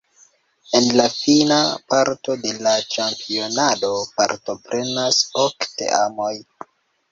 En la fina parto de la ĉampionado partoprenas ok teamoj.